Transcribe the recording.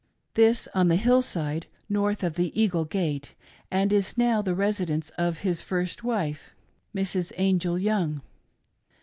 This on the hill side, north of the Eagle Gate, and is now the residence of his first wife, Mrs. Angell Young.